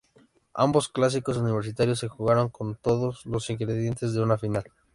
Ambos Clásicos universitarios se jugaron con todos los ingredientes de una final.